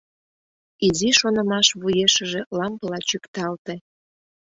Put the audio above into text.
Изи шонымаш вуешыже лампыла чӱкталте.